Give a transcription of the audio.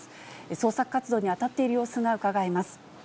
捜索活動に当たっている様子がうかがえます。